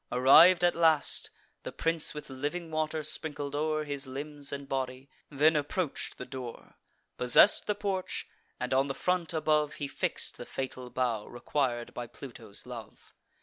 Arriv'd at last, The prince with living water sprinkled o'er His limbs and body; then approach'd the door, Possess'd the porch, and on the front above He fix'd the fatal bough requir'd by Pluto's love.